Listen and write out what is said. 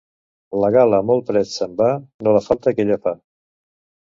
La gala molt prest se'n va, no la falta que ella fa.